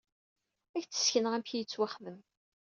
Ad ak-d-sekneɣ amek i yettwaxdem.